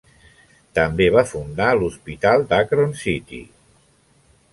També va fundar l'hospital d'Akron City.